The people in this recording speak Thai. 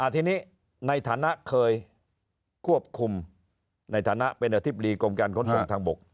ทีนี้ในฐานะเคยควบคุมในฐานะเป็นอธิบดีกรมการขนส่งทางบก